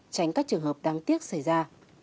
tránh các trường hợp đáng tiếc xảy ra